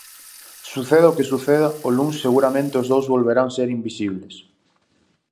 Suceda o que suceda, o luns seguramente os dous volverán ser invisibles.